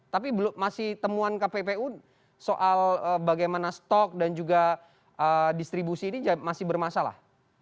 tapi masih temuan kppu soal bagaimana stok dan juga distribusi ini masih bermasalah